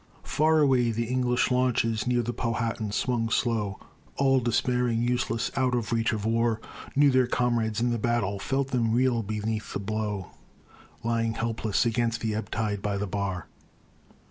Far away the English launches near the Powhatan swung slow, All despairing, useless, out of reach of war, Knew their comrades in the battle, felt them reel beneath the blow, Lying helpless 'gainst the ebb tide by the bar.